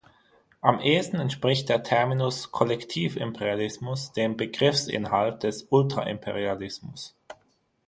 Am ehesten entspricht der Terminus "Kollektiv-Imperialismus" dem Begriffsinhalt des "Ultra-Imperialismus".